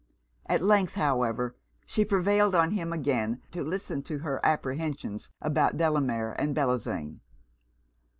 At length, however, she prevailed on him again to listen to her apprehensions about Delamere and Bellozane.